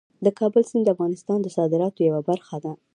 د کابل سیند د افغانستان د صادراتو یوه برخه ده.